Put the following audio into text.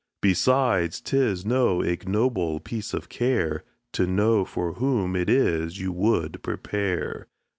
Besides, 'tis no ignoble piece of care, To know for whom it is you would prepare.